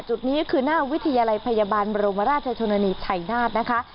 จุดนี้คือหน้าวิทยาลัยพยาบาลบรมราชชนนีชัยนาธนะคะ